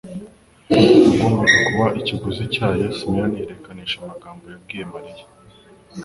wagombaga kuba ikiguzi cyayo, Simiyoni yerekanisha amagambo yabwiye Mariya,